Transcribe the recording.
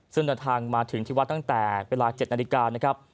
ซึ่งเดินทางมาถึงที่วัดตั้งแต่เวลา๗นาฬิกานะครับ